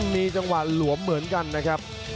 มีจังหวะหลวมเหมือนกันนะครับ